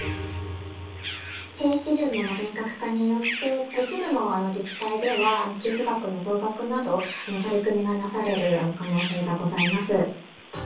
経費基準の厳格化によって、一部の自治体では、寄付額の増額など、取り組みがなされる可能性がございます。